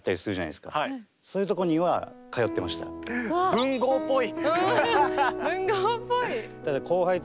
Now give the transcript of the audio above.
文豪っぽい！